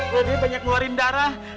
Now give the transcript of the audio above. gue ini banyak ngeluarin darah